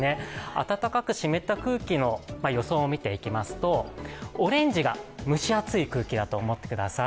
暖かく湿った空気の予想を見ていきますとオレンジが蒸し暑い空気だと思ってください。